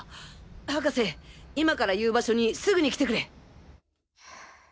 博士今から言う場所にすぐに来てくれ！